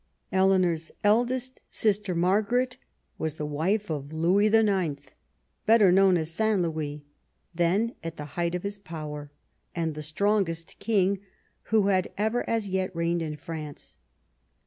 Eleanor's elder sister Margaret was the wife of Louis IX., better known as St. Louis, then at the height of his power, and the strongest king who had ever as yet reigned in France.